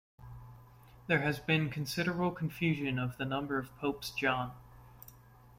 There has been considerable confusion of the number of Popes John.